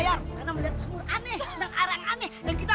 kejaksaan beli atas karantina gero bekaya